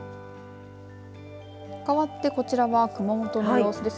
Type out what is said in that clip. かわってこちらは熊本の様子です。